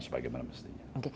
sebagai mana mestinya